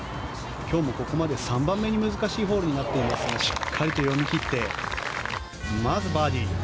今日もここまで３番目に難しいホールになっていましたがしっかりと読み切ってまずバーディー。